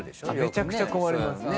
めちゃくちゃ困ります。